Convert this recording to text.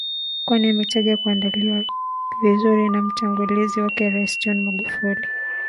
Kwani ametaja kuandaliwa vizuri na mtangulizi wake Rais John Magufuli